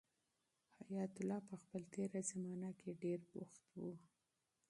حیات الله په خپل تېره زمانه کې ډېر بوخت و.